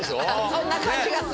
そんな感じがする。